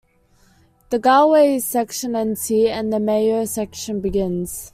The Galway section ends here and the Mayo section begins.